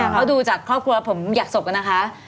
เพราะดูจากครอบครัวผมอยากศพนะคะ